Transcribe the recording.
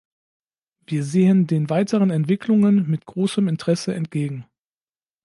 Wir sehen den weiteren Entwicklungen mit großem Interesse entgegen.